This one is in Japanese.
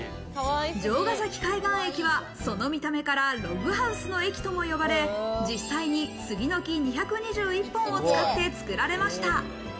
城ヶ崎海岸駅は、その見た目からログハウスの駅とも呼ばれ、実際に杉の木２２１本を使って作られました。